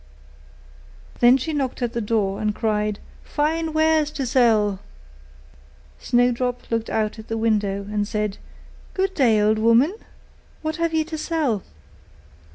Then she knocked at the door, and cried, 'Fine wares to sell!' Snowdrop looked out at the window, and said, 'Good day, good woman! what have you to sell?